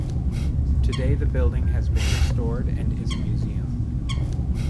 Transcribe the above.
Today the building has been restored and is a museum.